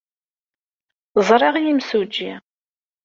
Ẓriɣ imsujji.